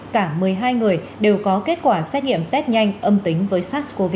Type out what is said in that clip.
cả một mươi hai người đều có kết quả xét nghiệm test nhanh âm tính với sars cov hai